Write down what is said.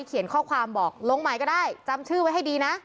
เขียนข้อความบอกลงใหม่ก็ได้จำชื่อไว้ให้ดีนะ